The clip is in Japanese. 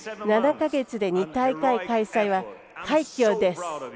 ７か月で２大会開催は快挙です。